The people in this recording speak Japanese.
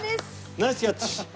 ナイスキャッチ！